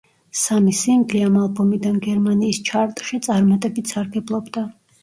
სამი სინგლი ამ ალბომიდან გერმანიის ჩარტში წარმატებით სარგებლობდა.